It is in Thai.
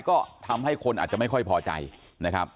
ก็ทำให้คนอาจจะไม่ค่อยพอใจนะครับ